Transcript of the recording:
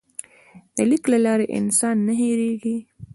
د لیک له لارې انسان نه هېرېږي.